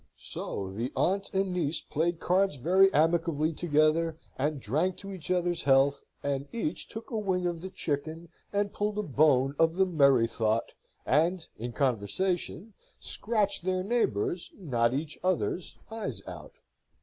So the aunt and niece played cards very amicably together, and drank to each other's health, and each took a wing of the chicken, and pulled a bone of the merry thought, and (in conversation) scratched their neighbours', not each other's, eyes out.